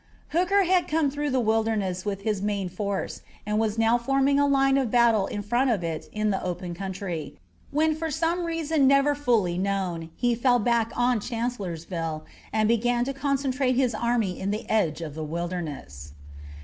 Hooker had come through the Wilderness with his main force, and was now forming a line of battle in front of it in the open country, when for some reason never fully known he fell back on Chancellorsville and began to concentrate his army in the edge of the Wilderness.